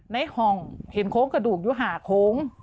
ในห้องเห็นโค้งกระดูกอยู่ห่างโค้ง